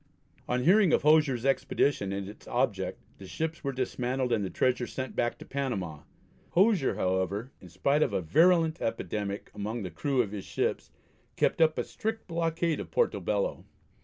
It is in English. On hearing of Hosier's expedition and its object the ships were dismantled and the treasure sent back to Panama. Hosier, however, in spite of a virulent epidemic among the crew of his ships, kept up a strict blockade of Porto Bello.